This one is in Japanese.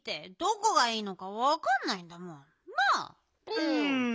うん。